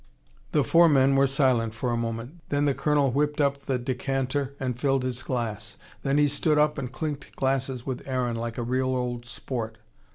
The four men were silent for a moment then the Colonel whipped up the decanter and filled his glass. Then he stood up and clinked glasses with Aaron, like a real old sport.